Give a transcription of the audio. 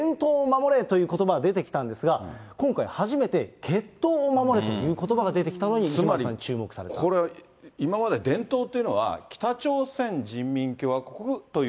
これまでは伝統を守れということばは出てきたんですが、今回初めて、血統を守れということばが出てきつまり、これ、今まで伝統というのは、北朝鮮人民共和国という。